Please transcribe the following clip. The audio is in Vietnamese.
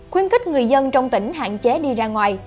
khuyến khích người dân trong tỉnh hạn chế đi ra ngoài